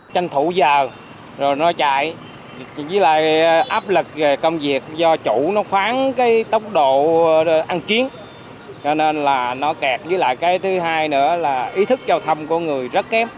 tranh thủ giờ rồi nó chạy với lại áp lực về công việc do chủ nó khoáng cái tốc độ ăn chiến cho nên là nó kẹt với lại cái thứ hai nữa là ý thức giao thông của người rất kém